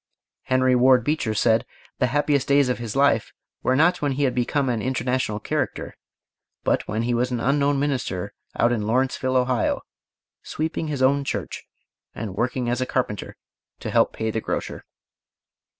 Henry Ward Beecher said the happiest days of his life were not when he had become an international character, but when he was an unknown minister out in Lawrenceville, Ohio, sweeping his own church, and working as a carpenter to help pay the grocer.